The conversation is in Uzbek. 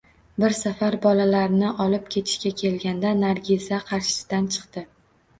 Bir safar bolalarni olib ketishga kelganda Nargiza qarshisidan chiqdi